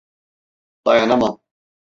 Dayanamam.